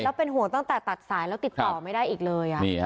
แล้วเป็นห่วงตั้งแต่ตัดสายแล้วติดต่อไม่ได้อีกเลย